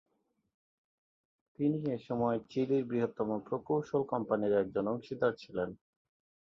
তিনি এসময় চিলির বৃহত্তম প্রকৌশল কোম্পানির একজন অংশীদার ছিলেন।